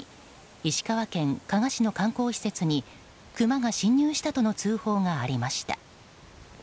石川県加賀市の観光施設にクマが侵入したとの通報がありました。